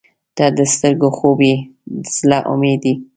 • ته د سترګو خوب یې، د زړه امید یې.